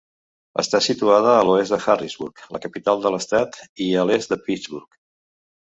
Està situada a l'oest de Harrisburg, la capital de l'estat, i a l'est de Pittsburgh.